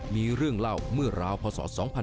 มีเรื่องเล่าเมื่อราวพศ๒๕๕๙